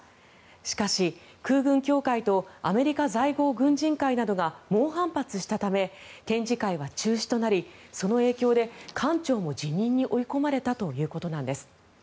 しかし、空軍協会とアメリカ在郷軍人会などが猛反発したため展示会は中止となりその影響で館長も辞任に追い込まれたということなんです。